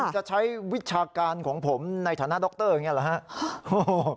ผมจะใช้วิชาการของผมในฐานะด็อกเตอร์อย่างนี้เหรอฮะ